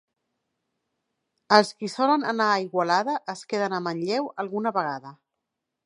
Els qui solen anar a Igualada, es queden a Manlleu alguna vegada.